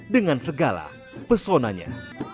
dengan segala pesonanya